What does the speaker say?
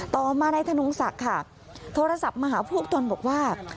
ต่อมานายธนงศักดิ์ค่ะโทรศัพท์มาหาพวกตนบอกว่า